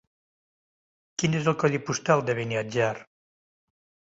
Quin és el codi postal de Beniatjar?